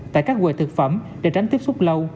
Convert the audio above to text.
tại các quầy thực phẩm để tránh tiếp xúc lâu